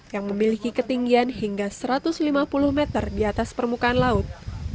yang memiliki ketinggian hingga satu ratus lima puluh meter di atas permukaan laut